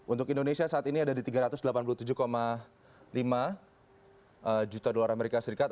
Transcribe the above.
untuk indonesia saat ini ada di tiga ratus delapan puluh tujuh lima juta dolar amerika serikat